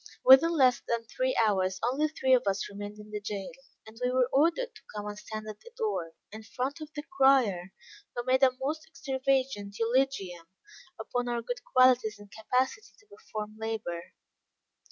Within less than three hours, only three of us remained in the jail; and we were ordered to come and stand at the door, in front of the crier, who made a most extravagant eulogium upon our good qualities and capacity to perform labor.